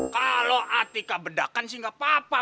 kalau atika bedakan sih gak papa tuh